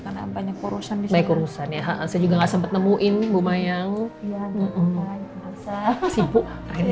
karena banyak urusan urusan ya saya juga nggak sempet nemuin bu mayang sibuk